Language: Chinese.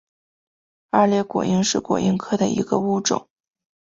二裂果蝇是果蝇科的一个物种。